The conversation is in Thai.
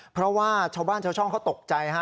เพราะว่าชาวบ้านชาวช่องเขาตกใจฮะ